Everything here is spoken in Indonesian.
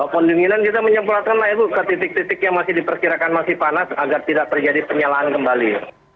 pendinginan kita menyemprotkanlah ibu ke titik titik yang masih diperkirakan masih panas agar tidak terjadi penyalaan kembali